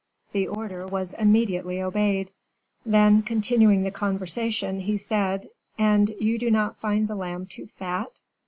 The order was immediately obeyed. Then, continuing the conversation, he said: "And you do not find the lamb too fat?"